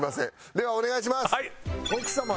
ではお願いします。